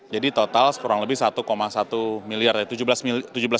jadi total sekurang lebih satu satu juta